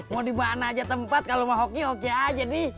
mau dimana aja tempat kalau mau hoki oke aja nih